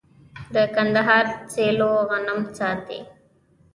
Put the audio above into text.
د کندهار سیلو غنم ساتي.